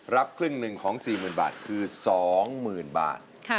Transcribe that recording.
รับครึ่งหนึ่งของ๔๐๐๐บาทคือ๒๐๐๐บาท